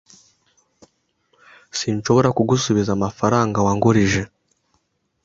Sinshobora kugusubiza amafaranga wangurije.